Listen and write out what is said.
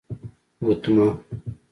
💍 ګوتمه